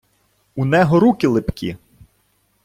Унего руки липкі.